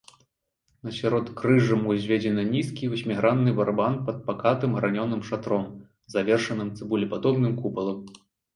Над сяродкрыжжам узведзены нізкі васьмігранны барабан пад пакатым гранёным шатром, завершаным цыбулепадобным купалам.